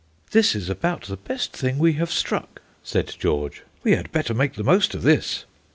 "This is about the best thing we have struck," said George; "we had better make the most of this."